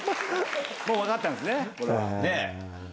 もう分かったんですね。